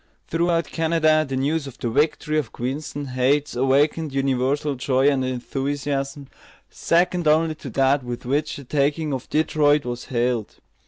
Throughout Canada the news of the victory of Queenston Heights awakened universal joy and enthusiasm, second only to that with which the taking of Detroit was hailed.